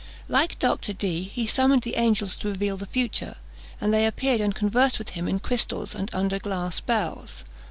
Like Dr. Dee, he summoned the angels to reveal the future; and they appeared and conversed with him in crystals and under glass bells.